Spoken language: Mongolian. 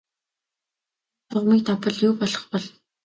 Энэ шугамыг давбал юу болох бол?